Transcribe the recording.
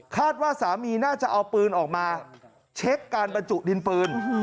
ว่าสามีน่าจะเอาปืนออกมาเช็คการบรรจุดินปืน